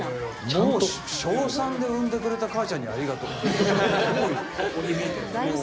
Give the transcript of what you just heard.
もう小３で「生んでくれた母ちゃんにありがとう」ってすごいよ。